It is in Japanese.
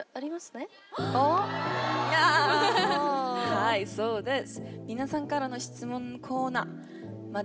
はいそうです。